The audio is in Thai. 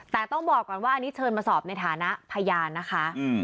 แต่ต้องบอกก่อนว่าอันนี้เชิญมาสอบในฐานะพยานนะคะ